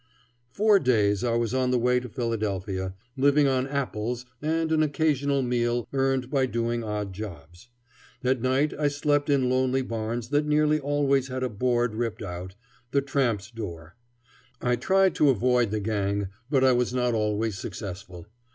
Four days I was on the way to Philadelphia, living on apples and an occasional meal earned by doing odd jobs. At night I slept in lonely barns that nearly always had a board ripped out the tramps' door. I tried to avoid the gang, but I was not always successful.